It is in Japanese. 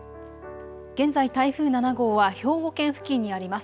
現在、台風７号は兵庫県付近にあります。